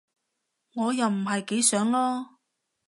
我又唔係幾想囉